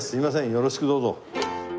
よろしくどうぞ。